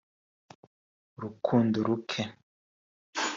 urukundo ruke